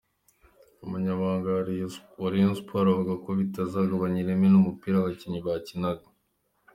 Umunyamabanga wa Rayon Sport avuga ko bitazagabanya ireme n’umupira abakinnyi bakinaga.